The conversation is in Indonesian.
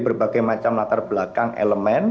berbagai macam latar belakang elemen